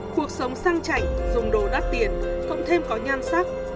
cuộc sống sang chảy dùng đồ đắt tiền không thêm có nhan sắc